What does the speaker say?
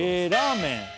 ラーメン